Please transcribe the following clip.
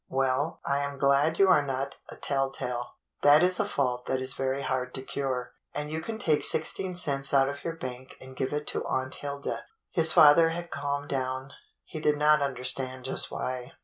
Well, I am glad you are not a tell tale. That is a fault that is very hard to cure. And you can take sixteen cents out of your bank and give it to Aunt Hilda." His father had calmed down. He did not under stand just why.